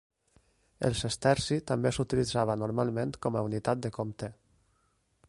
El sesterci també s'utilitzava normalment com a unitat de compte.